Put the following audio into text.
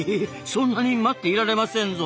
そんなに待っていられませんぞ。